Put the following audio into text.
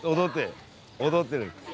踊ってる。